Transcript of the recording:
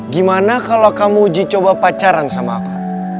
gimana kalau kamu uji coba pacaran sama aku